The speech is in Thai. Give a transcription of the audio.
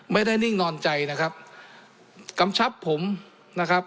นิ่งนอนใจนะครับกำชับผมนะครับ